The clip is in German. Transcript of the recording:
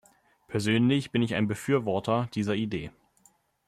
Persönlich bin ich ein Befürworter dieser Idee.